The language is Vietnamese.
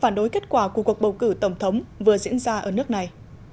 phản đối kết quả của cuộc bầu cử tổng thống vừa diễn ra ở nước này